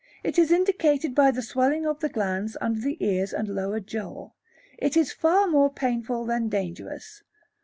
It is indicated by the swelling of the glands under the ears and lower jaw. It is far more painful than dangerous.